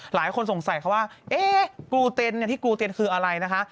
หลายคนสงสัยเขาว่าเอ๊ะกูเต็นที่กูเต็นคืออะไรนะคะ